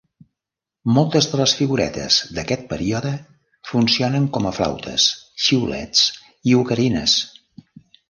Moltes de les figuretes d'aquest període funcionen com a flautes, xiulets i ocarines.